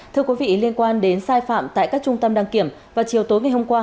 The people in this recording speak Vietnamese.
thưa quý vị liên quan đến sai phạm tại các trung tâm đăng kiểm vào chiều tối ngày hôm qua